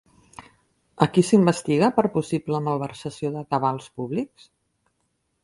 A qui s'investiga per possible malversació de cabals públics?